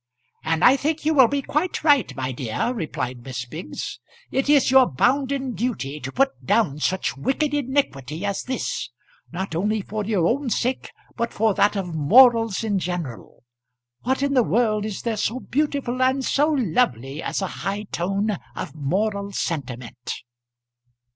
"And I think you will be quite right, my dear," replied Miss Biggs. "It is your bounden duty to put down such wicked iniquity as this; not only for your own sake, but for that of morals in general. What in the world is there so beautiful and so lovely as a high tone of moral sentiment?"